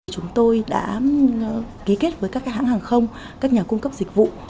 chúng tôi đã ký kết với các hãng hàng không các nhà cung cấp dịch vụ